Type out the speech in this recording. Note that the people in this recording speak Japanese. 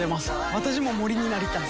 私も森になりたい。